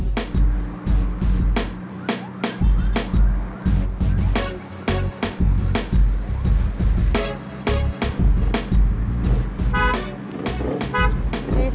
disik lo eh